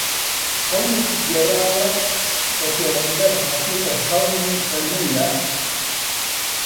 خەونێکی گێڕاوە کە پێغەمبەر هاتۆتە خەوەنی فەرموویە: